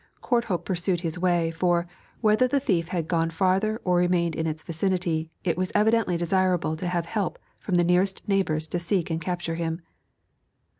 Courthope pursued his way; for, whether the thief had gone farther or remained in this vicinity, it was evidently desirable to have help from the nearest neighbours to seek and capture him.